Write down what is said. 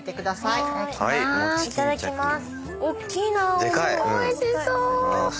いただきます。